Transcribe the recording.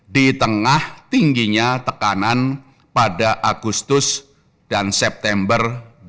di tengah tingginya tekanan pada agustus dan september dua ribu dua puluh